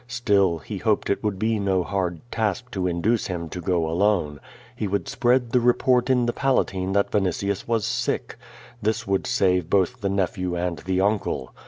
Still, he ho])ed it would be no hard task to induce him to go alone. He would spread the report in the Palatine that Vinitius was sick. This would save both the nephew and the uncle.